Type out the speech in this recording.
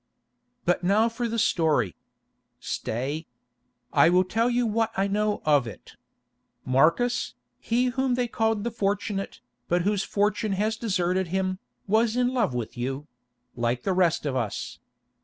"But now for the story. Stay. I will tell you what I know of it. Marcus, he whom they called The Fortunate, but whose fortune has deserted him, was in love with you—like the rest of us.